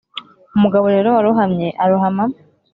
umugabo rero warohamye, arohama